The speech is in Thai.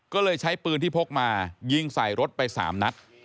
ก็เลยใช้ปืนที่พกมายิงใส่รถไป๓นัด